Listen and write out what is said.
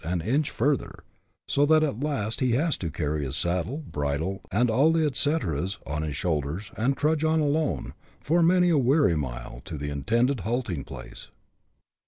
an inch further, so that at last he has to carry his saddle, bridle, and all the etcaeteras, on his shoulders, and trudge on alone, for many a weary mile, to the intended halting place.